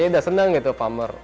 ya udah senang gitu pamer